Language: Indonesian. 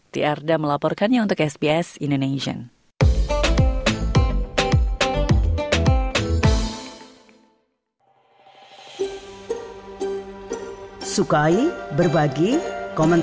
tiarda melaporkannya untuk sbs indonesian